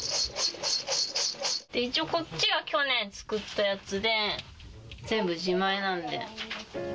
一応、こっちが去年作ったやつで、全部自前なんで。